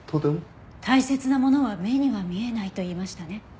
「大切なものは目には見えない」と言いましたね。